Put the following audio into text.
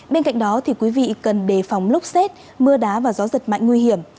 bên cạnh đó thì quý vị cần đề phòng lốc xét mưa đá và gió giật mạnh nguy hiểm